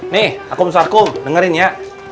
nih akum akum dengerin ya